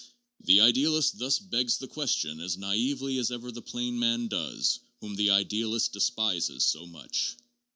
The idealist thus begs the question as naively as ever the plain man does, whom the idealist despises so much.